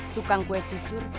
tukang kue cucur